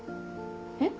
えっ？